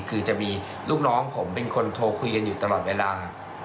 คือจะมีลูกน้องผมเป็นคนโทรคุยกันอยู่ตลอดเวลา